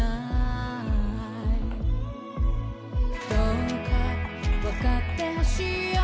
「どうか分かって欲しいよ」